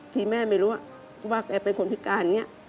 ซึ่งแม่ไม่รู้ว่าแกเป็นคนพิการ